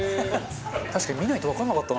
確かに見ないとわかんなかったな。